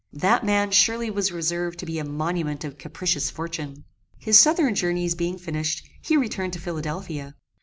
That man surely was reserved to be a monument of capricious fortune. His southern journies being finished, he returned to Philadelphia.